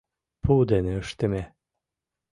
Пу дене ыштыме!